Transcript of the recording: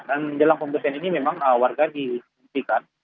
dan dalam pembersihan ini memang warga disimpikan